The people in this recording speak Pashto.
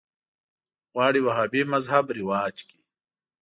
غواړي وهابي مذهب رواج کړي